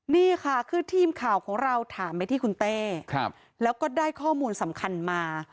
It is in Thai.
นี่ค่ะคือทีมข่าวของเราถามไปที่คุณเต้แล้วก็ได้ข้อมูลสำคัญมา